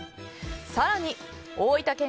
更に大分県